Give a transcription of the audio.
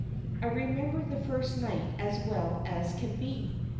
I remember the first night as well as can be.